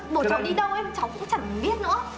bố cháu đi đâu cháu cũng chẳng biết nữa